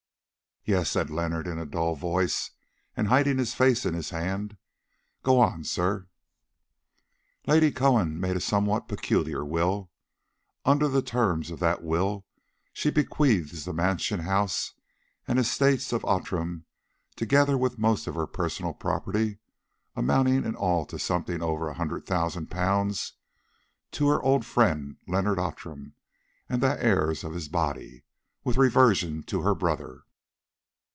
"Yes," said Leonard in a dull voice, and hiding his face in his hand; "go on, sir." "Lady Cohen made a somewhat peculiar will. Under the terms of that will she bequeaths the mansion house and estates of Outram, together with most of her personal property, amounting in all to something over a hundred thousand pounds, to her old friend Leonard Outram and the heirs of his body, with reversion to her brother.